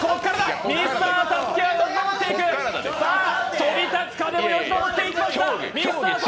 反り立つ壁もよじ登っていきました。